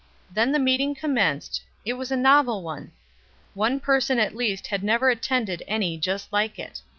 Then the meeting commenced; it was a novel one. One person at least had never attended any just like it.